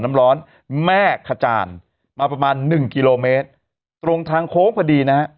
น้ำร้อนแม่ขจานมาประมาณหนึ่งกิโลเมตรตรงทางโค้งพอดีนะฮะ